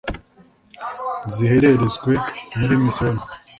Zihererezwe mu misiyoni